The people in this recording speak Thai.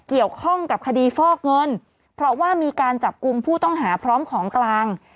เกี่ยวข้องกับคดีฟอกเงินเพราะว่ามีการจับกลุ่มผู้ต้องหาพร้อมของกลาง